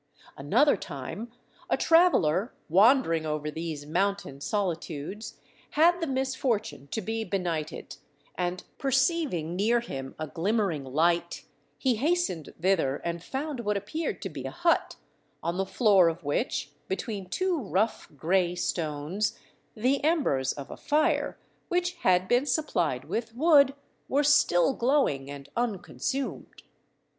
Another time, a traveller, wandering over these mountain solitudes, had the misfortune to be benighted, and, perceiving near him a glimmering light, he hastened thither and found what appeared to be a hut, on the floor of which, between two rough, gray stones, the embers of a fire, which had been supplied with wood, were still glowing and unconsumed.